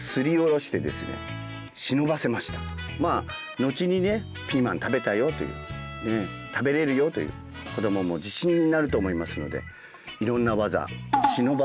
後にねピーマン食べたよという食べれるよという子どもも自信になると思いますのでいろんな技忍ばせの術！